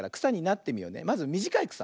まずみじかいくさ。